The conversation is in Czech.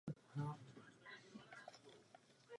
Doufám, že se vrátíme z úspěšného summitu.